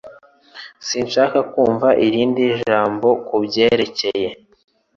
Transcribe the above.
Sinshaka kumva irindi jambo kubyerekeye